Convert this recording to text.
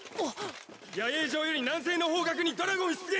野営場より南西の方角にドラゴン出現！